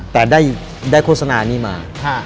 แต่ได้โฆษณานี้มา